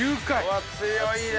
うわっ強いね。